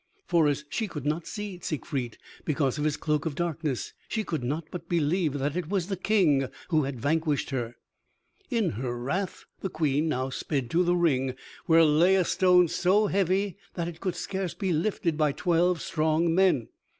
For as she could not see Siegfried because of his Cloak of Darkness, she could not but believe that it was the King who had vanquished her. In her wrath the Queen now sped to the ring, where lay a stone so heavy that it could scarce be lifted by twelve strong men.